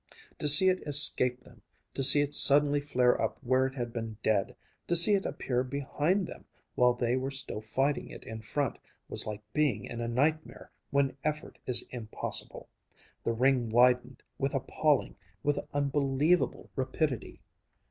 To see it escape them, to see it suddenly flare up where it had been dead, to see it appear behind them while they were still fighting it in front, was like being in a nightmare when effort is impossible. The ring widened with appalling, with unbelievable rapidity.